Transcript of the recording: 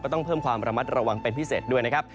ต้องเพิ่มความระมัดระวังเป็นพิเศษด้วยนะครับ